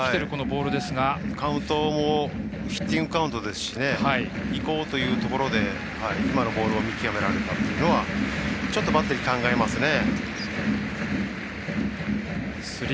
カウントもヒッティングカウントですしいこうというところで今のボールを見極められたのはちょっとバッテリー考えますね。